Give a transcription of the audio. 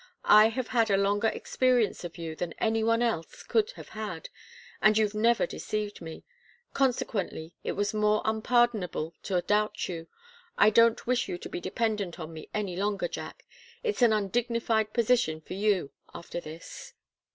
I have had a longer experience of you than any one else could have had, and you've never deceived me. Consequently, it was more unpardonable to doubt you. I don't wish you to be dependent on me any longer, Jack. It's an undignified position for you, after this."